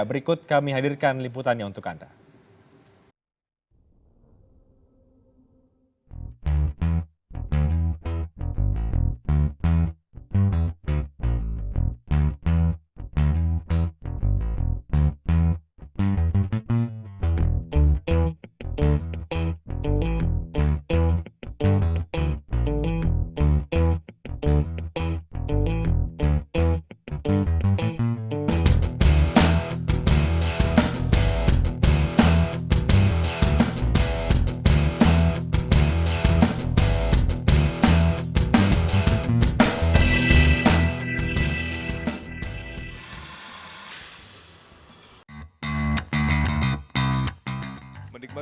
berikut kami hadirkan liputannya untuk anda